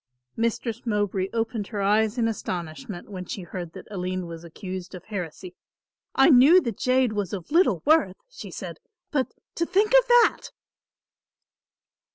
Mistress Mowbray opened her eyes in astonishment when she heard that Aline was accused of heresy. "I knew the jade was of little worth," she said, "but to think of that!"